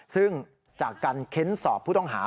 ซึ่งจากการเค้นสอบผู้ต้องหา